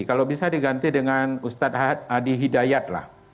kalau bisa diganti dengan ustadz adi hidayat lah